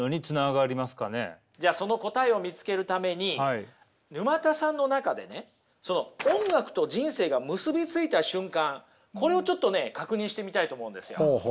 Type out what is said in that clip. じゃあその答えを見つけるために沼田さんの中でね音楽と人生が結びついた瞬間これをちょっとね確認してみたいと思うんですよ。